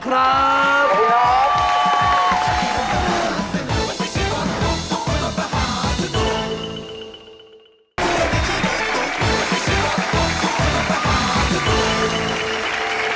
ครับ